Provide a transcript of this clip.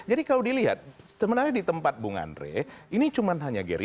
jadi kalau dilihat teman teman di tempat bung andre ini cuma hanya gini